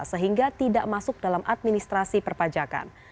sehingga tidak masuk dalam administrasi perpajakan